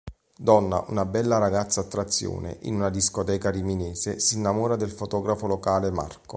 Donna, una bella ragazza attrazione in una discoteca riminese, s’innamora del fotografo locale Marco.